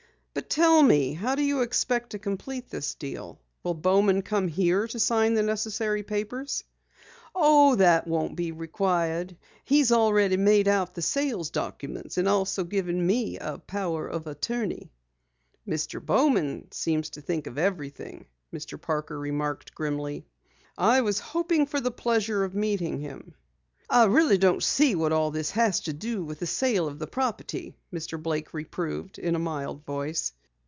"But tell me, how do you expect to complete this deal? Will Bowman come here to sign the necessary papers?" "Oh, that won't be required. He's already made out the sales documents, and also given me a power of attorney." "Mr. Bowman seems to think of everything," Mr. Parker remarked grimly. "I was hoping for the pleasure of meeting him." "I really don't see what all this has to do with the sale of the property," Mr. Blake reproved in a mild voice.